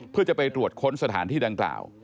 เพื่อจะไปตรวจค้นสถานที่ดังกล่าว